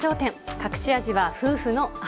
隠し味は、夫婦の愛。